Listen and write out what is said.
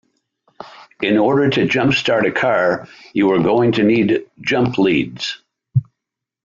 In order to jumpstart a car you are going to need jump leads